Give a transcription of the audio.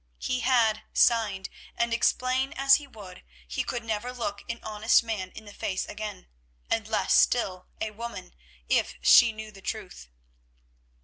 He had signed, and explain as he would, he could never look an honest man in the face again, and less still a woman, if she knew the truth.